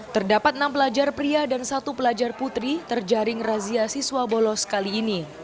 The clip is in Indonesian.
terdapat enam pelajar pria dan satu pelajar putri terjaring razia siswa bolos kali ini